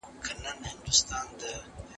انجینري پوهنځۍ سمدستي نه لغوه کیږي.